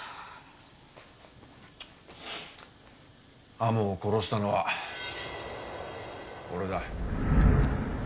天羽を殺したのは俺だ。